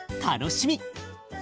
楽しみ！